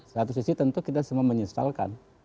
satu sisi tentu kita semua menyesalkan